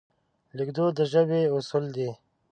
لیکدود د ژبې اصول دي.